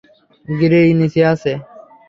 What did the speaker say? গিরি নিচে আছে।